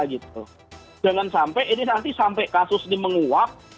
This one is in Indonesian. jangan sampai ini nanti sampai kasus ini menguap